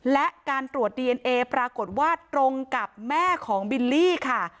และการตรวจดีเอนเอปรากฏว่าตรงกับแม่ของบิลลี่ค่ะ